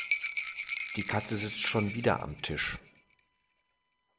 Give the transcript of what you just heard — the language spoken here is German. Die Katze sitzt schon wieder am Tisch.